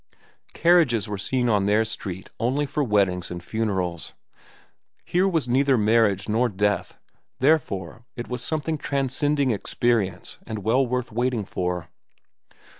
Carriages were seen on their street only for weddings and funerals. Here was neither marriage nor death: therefore, it was something transcending experience and well worth waiting for.